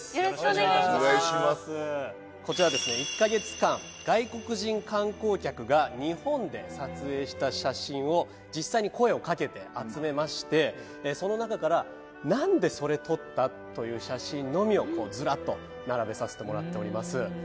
こちらはですね１ヵ月間外国人観光客が日本で撮影した写真を実際に声をかけて集めましてその中から「なんでそれ撮った？」という写真のみをずらっと並べさせてもらっております。